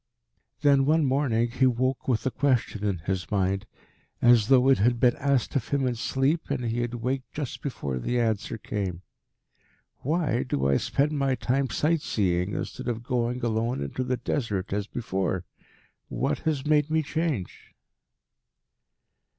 Then one morning he woke with a question in his mind, as though it had been asked of him in sleep and he had waked just before the answer came. "Why do I spend my time sight seeing, instead of going alone into the Desert as before? What has made me change?"